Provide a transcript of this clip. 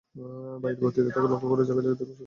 বায়ুর গতিতে তার লক্ষ্যে ঝাঁকে ঝাঁকে তীর ছুটে আসতে থাকে।